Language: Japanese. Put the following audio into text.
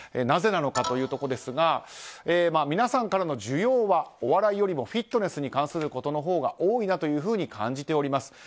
なぜなのかというところですが皆さんからの需要はお笑いよりもフィットネスに関することのほうが多いなというふうに感じております。